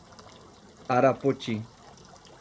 Arapoti